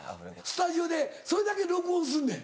スタジオでそれだけ録音すんねん。